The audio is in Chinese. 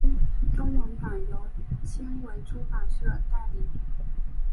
中文版由青文出版社代理。